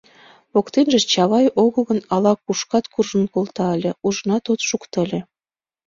Воктенже Чавай огыл гын, ала-кушкат куржын колта ыле, ужынат от шукто ыле...